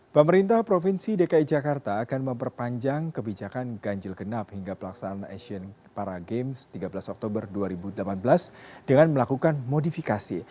pemerintah provinsi dki jakarta akan memperpanjang kebijakan ganjil genap hingga pelaksanaan asian para games tiga belas oktober dua ribu delapan belas dengan melakukan modifikasi